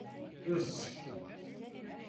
Rus.